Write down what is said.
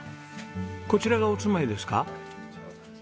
こちらがお住まいですか？